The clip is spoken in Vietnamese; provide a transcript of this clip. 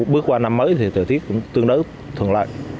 bước qua năm mới thì thời tiết cũng tương đối thuận lợi